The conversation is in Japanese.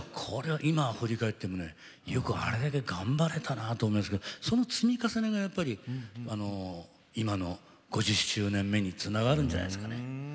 これは今振り返ってもねよくあれだけ頑張れたなと思いますけどその積み重ねがやっぱり今の５０周年目につながるんじゃないですかね。